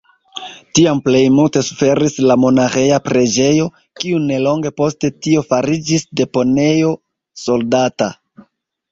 Tiam plejmulte suferis la monaĥeja preĝejo, kiu nelonge post tio fariĝis deponejo soldata.